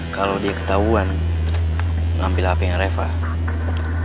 kalau dia ketahuan ngambil hpnya repot